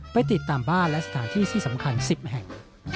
ไปติดตามบ้านและสถานที่ที่สำคัญ๑๐แห่ง